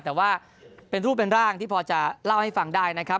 แต่ว่าเป็นรูปเป็นร่างที่พอจะเล่าให้ฟังได้นะครับ